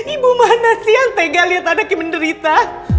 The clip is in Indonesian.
ibu mana sih yang tega liat anaknya menderita